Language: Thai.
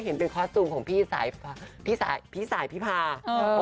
เห็นเป็นคอสตูมของพี่สายพี่สายพี่สายพี่พาเออ